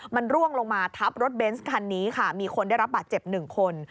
มันร่วงลงมาทับรถเบนส์คันนี้ค่ะมีคนได้รับบาดเจ็บหนึ่งคน